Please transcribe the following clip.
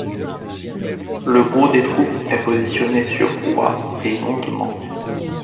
Le gros des troupes est positionné sur Oyes et Mondement.